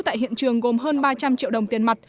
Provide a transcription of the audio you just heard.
tại hiện trường gồm hơn ba trăm linh triệu đồng tiền mặt